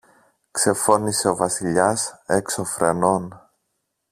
ξεφώνισε ο Βασιλιάς έξω φρενών.